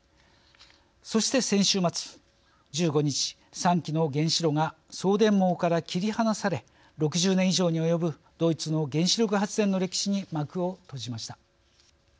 そして先週末、１５日３基の原子炉が送電網から切り離され６０年以上に及ぶドイツの原子力発電の歴史に幕を閉じました。